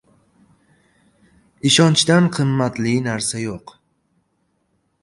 • Ishonchdan qimmatli narsa yo‘q.